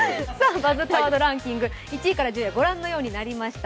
「バズったワードランキング」１位から１０位はご覧のようになりました。